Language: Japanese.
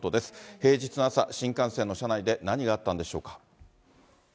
平日の朝、新幹線の車内で何があったんでしょうか。